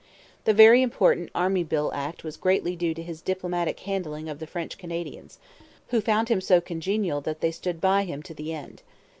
The very important Army Bill Act was greatly due to his diplomatic handling of the French Canadians, who found him so congenial that they stood by him to the end.